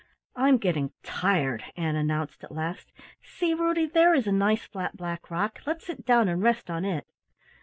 "I'm getting tired," Ann announced at last. "See, Ruddy, there is a nice flat black rock. Let's sit down and rest on it."